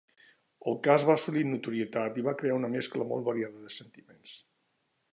El cas va assolir notorietat i va crear una mescla molt variada de sentiments.